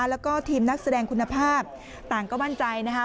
แล้วก็ทีมนักแสดงคุณภาพต่างก็มั่นใจนะคะ